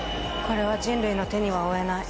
これは人類の手には負えない。